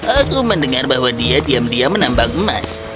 aku mendengar bahwa dia diam diam menambang emas